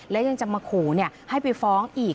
และยังจะมาขู่ให้ไปฟ้องอีก